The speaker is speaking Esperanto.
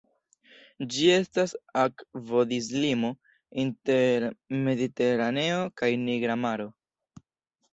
Ĝi estas akvodislimo inter Mediteraneo kaj Nigra Maro.